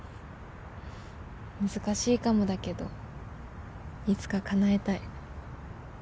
難しいかもだけどいつかかなえたい。